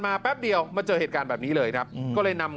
แป๊บเดียวมาเจอเหตุการณ์แบบนี้เลยครับก็เลยนำ